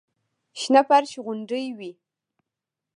شنه فرش غوندې وي.